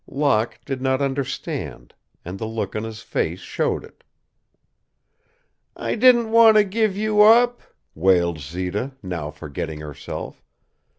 Locke did not understand, and the look on his face showed it. "I didn't want to give you up," wailed Zita, now forgetting herself.